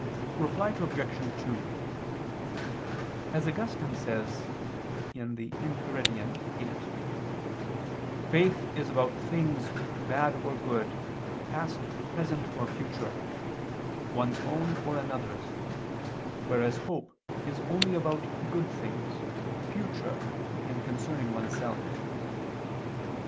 Reply Obj. 2: As Augustine says (Enchiridion viii), "faith is about things, bad or good, past, present, or future, one's own or another's; whereas hope is only about good things, future and concerning oneself."